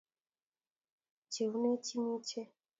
cheune chimeche